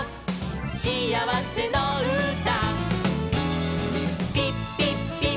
しあわせのうた」